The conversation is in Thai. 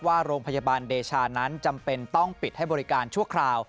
ว่าโรงพยาบาลเดชานั้นจำเป็นต้องปิดให้บริการชั่วคราว